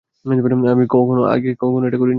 আমি আগে কখনো এটা করিনি।